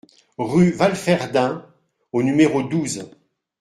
Rue Walferdin au numéro douze